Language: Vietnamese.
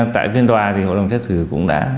tại phiên tòa thì hội đồng xét xử cũng đã